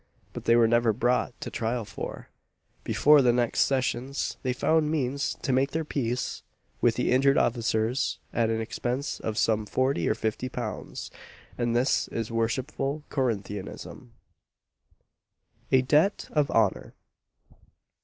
But they were never brought to trial; for, before the next Sessions, they found means to make their peace with the injured officers, at an expense of some forty or fifty pounds. And this is worshipful Corinthianism. A DEBT OF HONOUR.